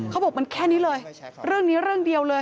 เขาบอกมันแค่นี้เลยเรื่องนี้เรื่องเดียวเลย